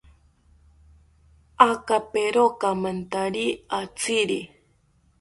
Akapero kamethari atziri